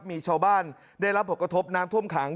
มีชาวบ้านได้รับผลกระทบน้ำท่วมขัง